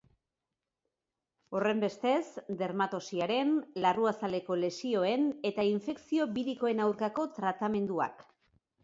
Horrenbestez, dermatosiaren, larruazaleko lesioen eta infekzio birikoen aurkako tratamenduak.